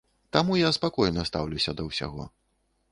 Таму я спакойна стаўлюся да ўсяго.